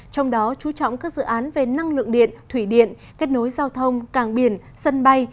trong đó chú trọng các dự án về năng lượng điện thủy điện kết nối giao thông càng biển sân bay